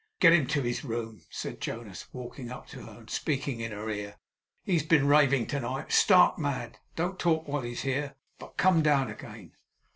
'Get him to his room,' said Jonas, walking up to her, and speaking in her ear. 'He has been raving to night stark mad. Don't talk while he's here, but come down again.